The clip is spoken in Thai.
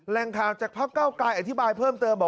เรียกคร่าวจากพระเก้าวิทยาลัยอธิบายเพิ่มเติมบอกว่า